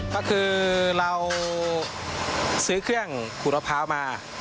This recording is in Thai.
ก็คือเราซื้อเครื่องขูดมะพร้าวมา